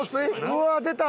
うわー出た！